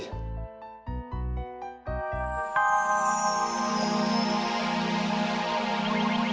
untuk malap excluding or payment